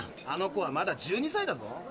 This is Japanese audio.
あの子はまだ１２歳だぞ。